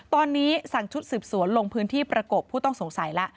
ตอนนี้สั่งชุดสืบสวนลงพื้นที่ประกบผู้ต้องสงสัยแล้ว